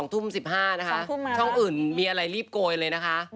ทุ่ม๑๕นะคะช่องอื่นมีอะไรรีบโกยเลยนะคะ